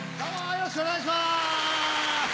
よろしくお願いします。